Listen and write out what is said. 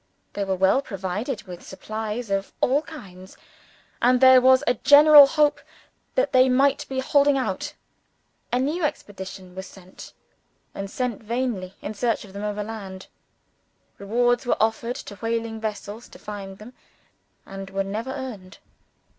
They were well provided with supplies of all kinds; and there was a general hope that they might be holding out. A new expedition was sent and sent vainly in search of them overland. Rewards were offered to whaling vessels to find them, and were never earned.